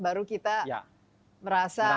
baru kita merasa